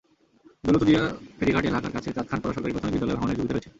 দৌলতদিয়া ফেরিঘাট এলাকার কাছে চাঁদখান পাড়া সরকারি প্রাথমিক বিদ্যালয় ভাঙনের ঝুঁকিতে রয়েছে।